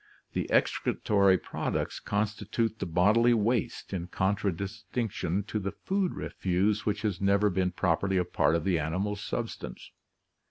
The excretory products constitute the bodily waste in contradistinction to the food refuse which has never been prop erly a part of the animal's substance.